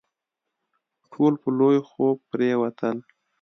ټول په لوی خوب پرېوتل.